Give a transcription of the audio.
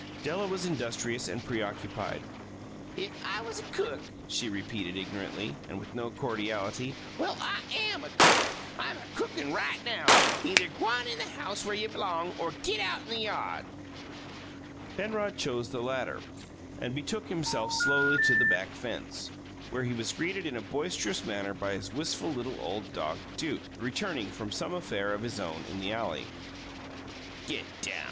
Della was industrious and preoccupied. "If I was a cook!" she repeated ignorantly, and with no cordiality. "Well, I AM a cook. I'm a cookin' right now. Either g'wan in the house where y'b'long, or git out in th' yard!" Penrod chose the latter, and betook himself slowly to the back fence, where he was greeted in a boisterous manner by his wistful little old dog, Duke, returning from some affair of his own in the alley. "Get down!"